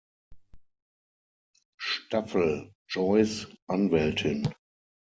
Staffel Joys Anwältin.